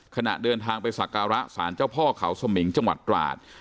ขณะเดินทางไปสักการะสารเจ้าพ่อเขาสมิงจังหวัดตราด